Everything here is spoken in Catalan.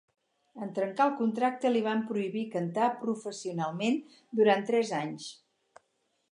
En trencar el contracte, li van prohibir cantar professionalment durant tres anys.